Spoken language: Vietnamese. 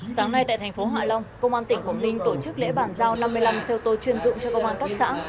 sáng nay tại thành phố hạ long công an tỉnh quảng ninh tổ chức lễ bàn giao năm mươi năm xe ô tô chuyên dụng cho công an các xã